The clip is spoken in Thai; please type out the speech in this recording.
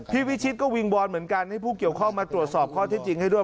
วิชิตก็วิงวอนเหมือนกันให้ผู้เกี่ยวข้องมาตรวจสอบข้อที่จริงให้ด้วย